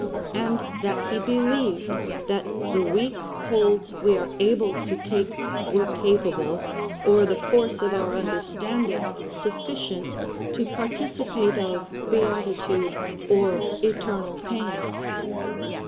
and that he believed that the weak holds we are able to take were capable, or the force of our understanding sufficient, to participate of beatitude or eternal pains?